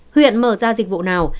huyện mở ra dịch vụ nào